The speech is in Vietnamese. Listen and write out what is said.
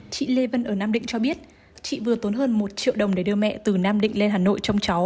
chị lê vân ở nam định cho biết chị vừa tốn hơn một triệu đồng để đưa mẹ từ nam định lên hà nội trong cháu